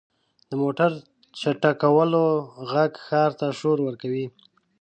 • د موټر چټکولو ږغ ښار ته شور ورکوي.